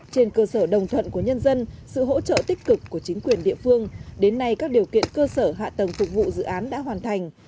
trên cơ sở đồng thuận của nhân dân sự hỗ trợ tích cực của chính quyền địa phương đến nay các điều kiện cơ sở hạ tầng phục vụ dự án đã hoàn thành